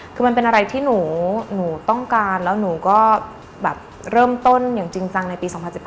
คือมันเป็นอะไรที่หนูต้องการแล้วหนูก็แบบเริ่มต้นอย่างจริงจังในปี๒๐๑๕